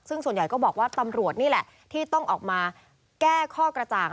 ซึ่งส่วนใหญ่ก็บอกว่าตำรวจนี่แหละที่ต้องออกมาแก้ข้อกระจ่าง